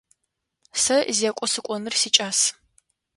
Сэ зекӏо сыкӏоныр сикӏас.